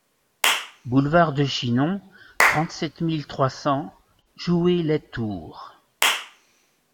Boulevard de Chinon, trente-sept mille trois cents Joué-lès-Tours